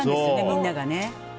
みんながね。